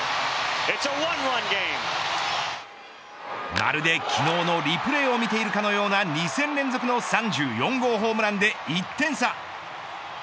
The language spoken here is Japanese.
まるで昨日のリプレーを見ているかのような２戦連続の３４号ホームランで１点差。